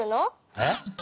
えっ？